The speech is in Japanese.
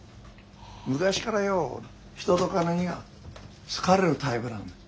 昔からよう人と金には好かれるタイプなんだ。